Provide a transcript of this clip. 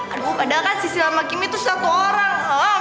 aduh padahal kan sisil sama kimi tuh satu orang